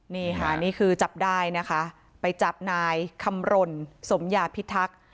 นี่ค่ะนี่คือจับได้นะคะไปจับนายคำรณสมยาพิทักษ์